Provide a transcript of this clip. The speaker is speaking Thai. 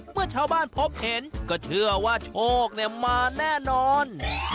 เมื่อชาวบ้านพบเห็นก็เชื่อว่าโชคมาแน่นอน